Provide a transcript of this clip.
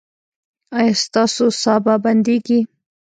ایا ستاسو ساه به بندیږي؟